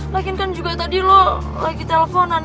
lagikan juga tadi lo lagi telponan